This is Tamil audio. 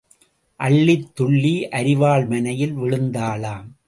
அள்ளித் துள்ளி அரிவாள் மணையில் விழுந்தாளாம்.